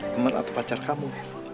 temen atau pacar kamu